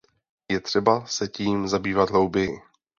Je třeba se tím zabývat hlouběji.